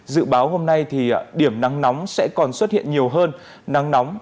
dự báo hôm nay thì điểm nắng nóng sẽ còn xuất hiện nhiều hơn